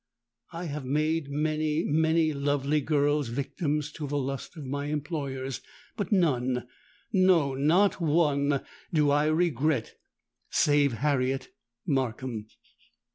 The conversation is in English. I have made many—many lovely girls victims to the lust of my employers;—but none—no, not one—do I regret, save Harriet Markham!